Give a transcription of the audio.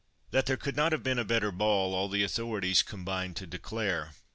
That there could not have been a better ball, all the authorities combined to declare.